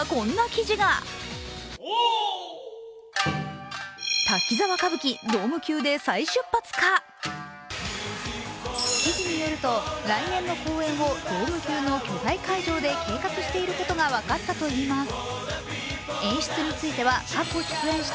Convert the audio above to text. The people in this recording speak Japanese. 記事によると来年の公演をドーム級の巨大会場で計画していることが分かったといいます。